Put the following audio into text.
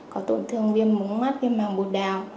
có tổn thương viêm múng mắt viêm màng bột đào